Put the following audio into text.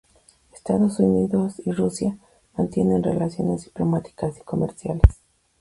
Estados Unidos y Rusia mantienen relaciones diplomáticas y comerciales.